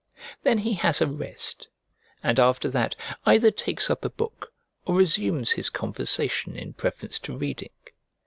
Then he has a rest, and after that either takes up a book or resumes his conversation in preference to reading.